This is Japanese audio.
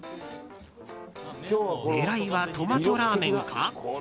狙いはトマトラーメンか？